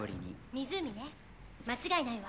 湖ね間違いないわ